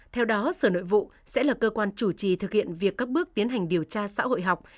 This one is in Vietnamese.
theo đó sở nội vụ sẽ là cơ quan chủ trì thực hiện việc cấp bước tiến hành điều tra xã hội học